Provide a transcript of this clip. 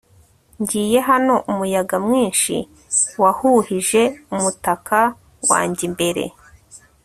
ngiye hano, umuyaga mwinshi wahuhije umutaka wanjye imbere